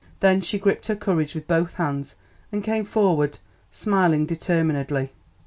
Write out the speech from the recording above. Then she gripped her courage with both hands and came forward smiling determinedly.